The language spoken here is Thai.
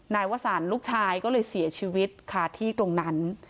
วสันลูกชายก็เลยเสียชีวิตค่ะที่ตรงนั้น